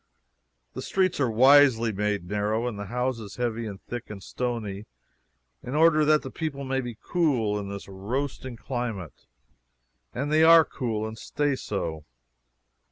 The streets are wisely made narrow and the houses heavy and thick and stony, in order that the people may be cool in this roasting climate. And they are cool, and stay so.